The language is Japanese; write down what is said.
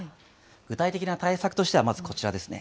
具体的な対策としてはまずこちらですね。